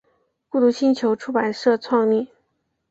孤独星球出版社创立。